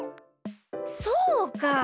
そうか！